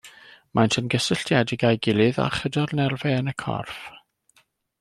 Maent yn gysylltiedig â'i gilydd a chyda'r nerfau yn y corff.